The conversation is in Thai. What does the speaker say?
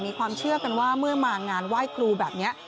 มีความเชื่อกันว่าเมื่อมางานไหว้ครูแบบนี้